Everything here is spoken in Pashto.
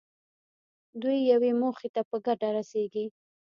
دوی یوې موخې ته په ګډه رسېږي.